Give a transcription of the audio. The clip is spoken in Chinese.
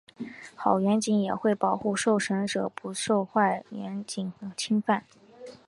好员警也会保护受审者不受坏员警的侵犯。